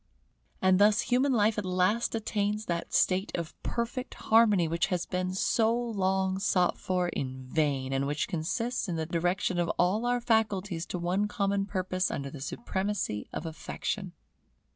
And thus human life at last attains that state of perfect harmony which has been so long sought for in vain, and which consists in the direction of all our faculties to one common purpose under the supremacy of Affection.